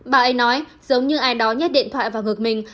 bà ấy nói giống như ai đó nhét điện thoại vào gực mình